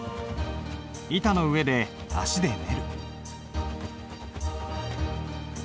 板の上で足で練る。